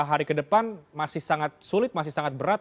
hari ke depan masih sangat sulit masih sangat berat